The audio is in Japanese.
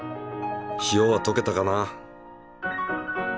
塩はとけたかな？